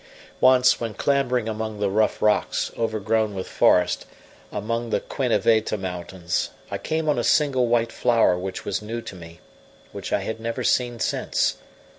Once, when clambering among the rough rocks, overgrown with forest, among the Queneveta mountains, I came on a single white flower which was new to me, which I have never seen since.